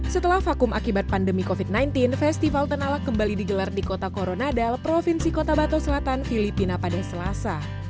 setelah vakum akibat pandemi covid sembilan belas festival tenalak kembali digelar di kota koronadal provinsi kota batu selatan filipina pada selasa